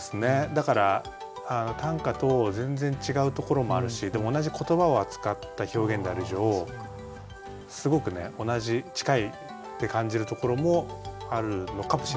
だから短歌と全然違うところもあるしでも同じ言葉を扱った表現である以上すごくね同じ近いって感じるところもあるのかもしれない。